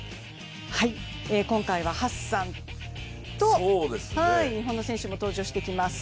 今回はハッサンと日本の選手も登場してきます。